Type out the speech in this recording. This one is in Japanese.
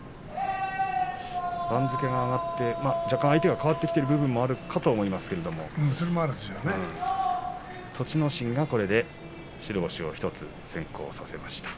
番付が上がって若干、相手が変わってきているというのもあるんでしょうけれども栃ノ心はこれで白星を１つ先行させました。